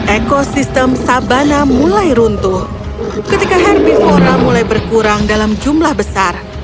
ekosistem sabana mulai runtuh ketika herbivora mulai berkurang dalam jumlah besar